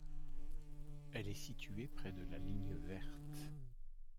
Elle est située près de la Ligne verte.